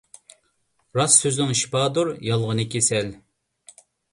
راست سۆزۈڭ شىپادۇر، يالغىنى كېسەل.